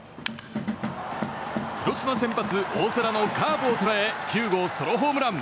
広島先発、大瀬良のカーブを捉え９号ソロホームラン。